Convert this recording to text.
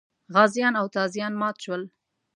غازیان او تازیان مات شول.